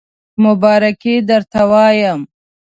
مبارکی درته وایم